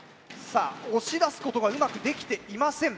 さあ押し出すことがうまくできていません。